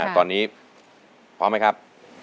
ตอนนี้พร้อมไหมครับ